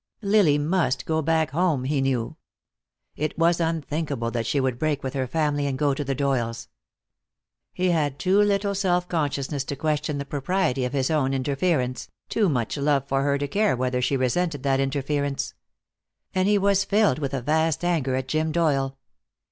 Lily must go back home, he knew. It was unthinkable that she should break with her family, and go to the Doyles. He had too little self consciousness to question the propriety of his own interference, too much love for her to care whether she resented that interference. And he was filled with a vast anger at Jim Doyle.